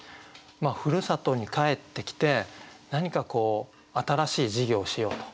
ふるさとに帰ってきて何か新しい事業をしようと。